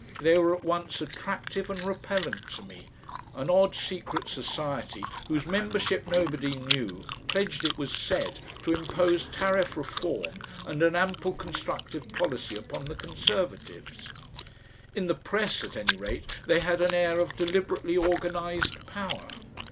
They were at once attractive and repellent to me, an odd secret society whose membership nobody knew, pledged, it was said, to impose Tariff Reform and an ample constructive policy upon the Conservatives. In the press, at any rate, they had an air of deliberately organised power.